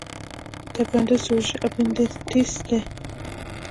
د اپنډکس سوزش اپنډیسایټس دی.